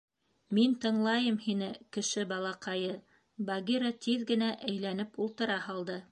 Мин тыңлайым һине, кеше балаҡайы, — Багира тиҙ генә әйләнеп, ултыра һалды.